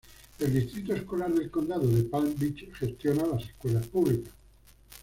El Distrito Escolar del Condado de Palm Beach gestiona las escuelas públicas.